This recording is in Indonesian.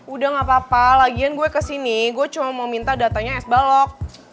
udah gapapa lagian gue kesini gue cuma mau minta datanya es balok